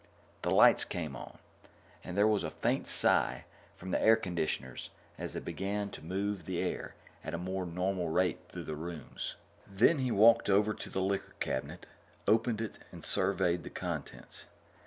The lights came on, and there was a faint sigh from the air conditioners as they began to move the air at a more normal rate through the rooms. Then he walked over to the liquor cabinet, opened it, and surveyed the contents.